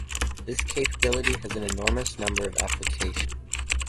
This capability has an enormous number of applications.